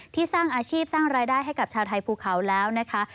สร้างอาชีพสร้างรายได้ให้กับชาวไทยภูเขาแล้วนะคะ